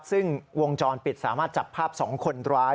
ซึ่งวงจรปิดสามารถจับภาพ๒คนร้าย